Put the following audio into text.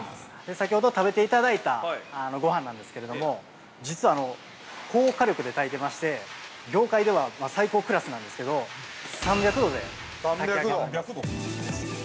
◆先ほど食べていただいたごはんなんですけれども実は、高火力で炊いてまして業界では最高クラスなんですけど３００度で炊き上げております。